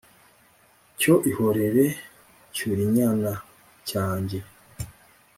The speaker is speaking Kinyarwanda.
Cyo ihorere Cyurinyana cyanjye